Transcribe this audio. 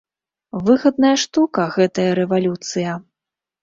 Выгадная штука гэтая рэвалюцыя!